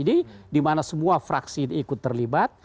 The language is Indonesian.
jadi di mana semua fraksi itu ikut terlibat